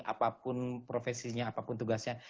apapun profesinya apapun tugasnya